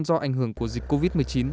do ảnh hưởng của dịch covid một mươi chín